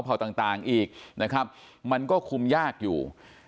เผาต่างอีกมันก็คุมยากอยู่